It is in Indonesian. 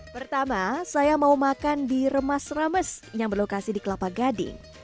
pertama saya mau makan di remas rames yang berlokasi di kelapa gading